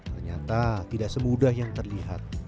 ternyata tidak semudah yang terlihat